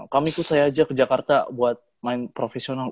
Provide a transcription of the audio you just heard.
kami ikut saya aja ke jakarta buat main profesional